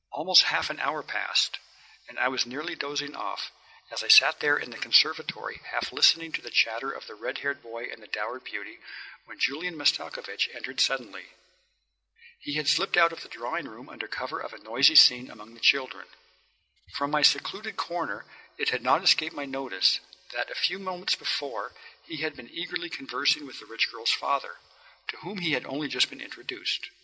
Almost half an hour passed, and I was nearly dozing off, as I sat there in the conservatory half listening to the chatter of the red haired boy and the dowered beauty, when Julian Mastakovich entered suddenly. He had slipped out of the drawing room under cover of a noisy scene among the children. From my secluded corner it had not escaped my notice that a few moments before he had been eagerly conversing with the rich girl's father, to whom he had only just been introduced.